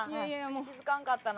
気づかんかったな。